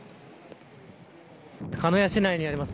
鹿屋市内にあります